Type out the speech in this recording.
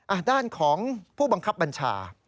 ด้านของผู้บังคับบัญชา